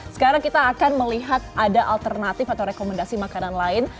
sekarang kita akan melihat ada alternatif atau rekomendasi makanan lain